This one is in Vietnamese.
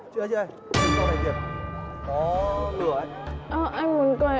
chị ơi chị ơi